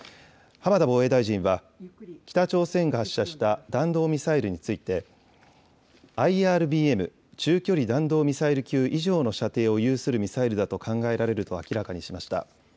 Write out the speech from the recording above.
浜田防衛大臣は、北朝鮮が発射した弾道ミサイルについて、ＩＲＢＭ・中距離弾道ミサイル級以上の射程を有するミサイルだと考えられると明らかにしました。